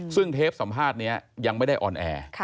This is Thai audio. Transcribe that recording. ซึ่งเทปสัมภาษณ์นี้ยังไม่ได้ออนแอร์